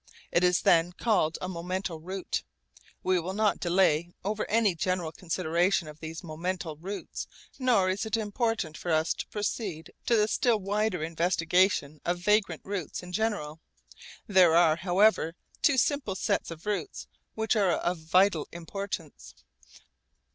It is then called a 'momental route.' We will not delay over any general consideration of these momental routes, nor is it important for us to proceed to the still wider investigation of vagrant routes in general. There are however two simple sets of routes which are of vital importance.